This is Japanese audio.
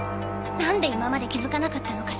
何で今まで気付かなかったのかしら。